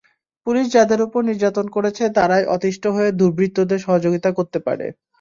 Police যাদের ওপর নির্যাতন করছে, তারাই অতিষ্ঠ হয়ে দুর্বৃত্তদের সহযোগিতা করতে পারে।